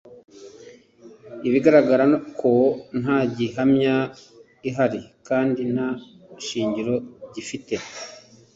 bigaragara ko nta gihamya ihari kandi nta shingiro gifite;